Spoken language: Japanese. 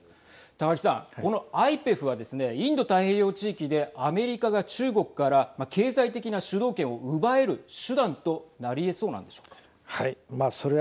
高木さん、このＩＰＥＦはですねインド太平洋地域でアメリカが中国から経済的な主導権を奪える手段となりえそうなんでしょうか。